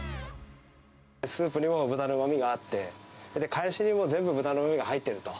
スープにも豚のうまみがあって、かえしにも全部豚のうまみが入ってると。